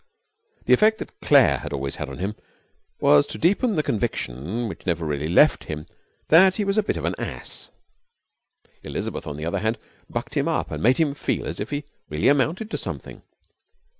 The effect that Claire had always had on him was to deepen the conviction, which never really left him, that he was a bit of an ass. Elizabeth, on the other hand, bucked him up and made him feel as if he really amounted to something.